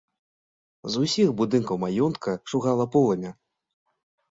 З усіх будынкаў маёнтка шугала полымя.